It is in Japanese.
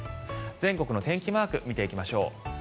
全国の天気マーク見ていきましょう。